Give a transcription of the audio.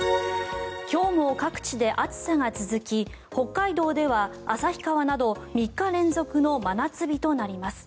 今日も各地で暑さが続き北海道では旭川など３日連続の真夏日となります。